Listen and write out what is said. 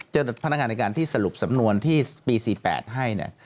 จัดพนักงานอายการที่สรุปสำนวนที่ปี๔๘ให้